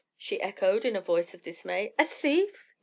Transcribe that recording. she echoed in a voice of dismay. "A thief!